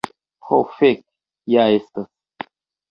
Ho, fek' ja estas